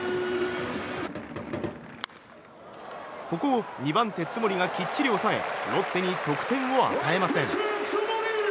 ここを２番手、津森がきっちり抑えロッテに得点を与えません。